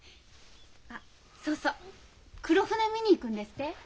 あっそうそう黒船見に行くんですって？